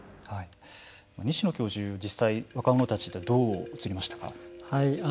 西野教授、実際若者たち、どう映りましたか。